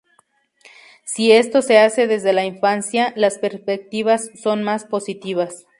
Si esto se hace desde la infancia, las perspectivas son más positivas.